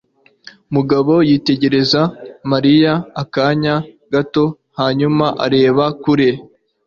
Mugabo yitegereza Mariya akanya gato hanyuma areba kure.